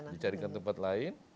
dicarikan tempat lain